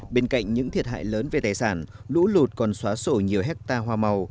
bên cạnh những thiệt hại lớn về tài sản lũ lụt còn xóa sổ nhiều hectare hoa màu